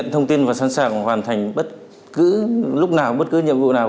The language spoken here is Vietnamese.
thông tin và sẵn sàng hoàn thành bất cứ lúc nào bất cứ nhiệm vụ nào